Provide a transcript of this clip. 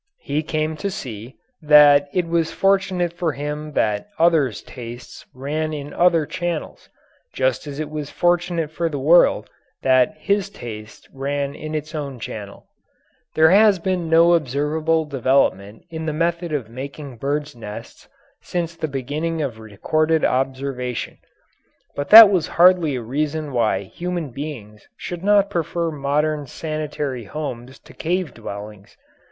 He came to see that it was fortunate for him that others' tastes ran in other channels, just as it was fortunate for the world that his taste ran in its own channel. There has been no observable development in the method of making birds' nests since the beginning of recorded observation, but that was hardly a reason why human beings should not prefer modern sanitary homes to cave dwellings.